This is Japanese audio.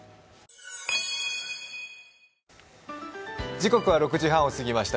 時刻は６時半を過ぎました。